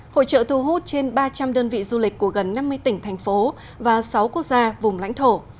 hội trợ thu hút trên ba trăm linh đơn vị du lịch của gần năm mươi tỉnh thành phố và sáu quốc gia vùng lãnh thổ